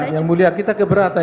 yang mulia kita keberatan